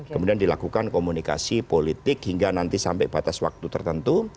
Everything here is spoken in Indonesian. kemudian dilakukan komunikasi politik hingga nanti sampai batas waktu tertentu